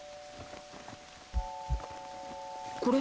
これ？